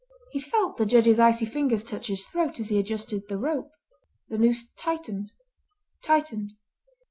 He felt the Judge's icy fingers touch his throat as he adjusted the rope. The noose tightened—tightened.